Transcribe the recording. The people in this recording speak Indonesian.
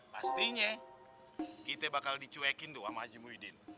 pastinya kita bakal dicuekin doa sama haji muhyiddin